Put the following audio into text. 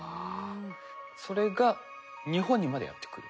それが日本にまでやって来る。